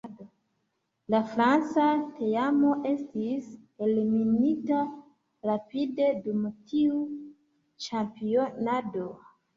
La franca teamo estis eliminita rapide dum tiu ĉampionado.